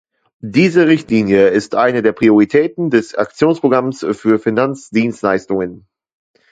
Diese Richtlinie ist eine der Prioritäten des Aktionsprogramms für Finanzdienstleistungen.